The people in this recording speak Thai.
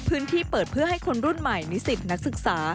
พื้นที่เปิดเพื่อให้คนรุ่นใหม่นิสิตนักศึกษา